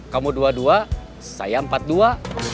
kamu dua dua saya empat dua